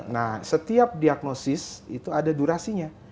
nah setiap diagnosis itu ada durasinya